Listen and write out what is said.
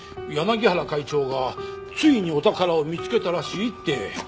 柳原会長がついにお宝を見つけたらしいって。